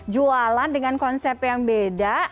jualan dengan konsep yang beda